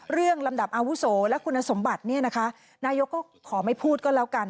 ลำดับอาวุโสและคุณสมบัติเนี่ยนะคะนายกก็ขอไม่พูดก็แล้วกัน